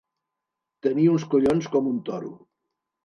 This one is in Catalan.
Tenir uns collons com un toro.